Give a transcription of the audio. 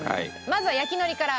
まずは焼き海苔から。